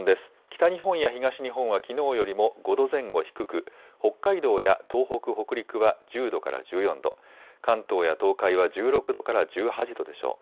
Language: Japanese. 北日本や東日本はきのうよりも５度前後低く、北海道や東北、北陸は１０度から１４度、関東や東海は１６度から１８度でしょう。